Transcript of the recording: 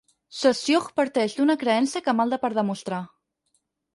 Saussure parteix d'una creença que malda per demostrar.